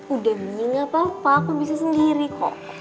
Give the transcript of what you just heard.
udah bingung apa apa aku bisa sendiri kok